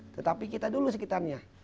tetapi kita dulu sekitarnya